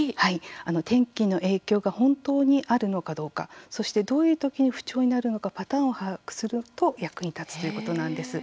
天気の影響が本当にあるのかどうか、そしてどういうときに不調になるのかパターンを把握すると役に立つということなんです。